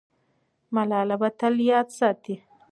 ملاله به تل یاده سي.